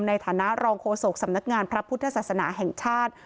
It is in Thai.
ในฐานะรองโฆษกสำนักงานพระพุทธศาสนาแห่งชาติ